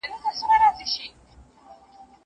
هر یو لاس یمه جلا جلا زموللی